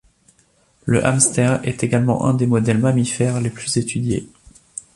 Le Hamster est également un des modèles mammifères les plus étudiés.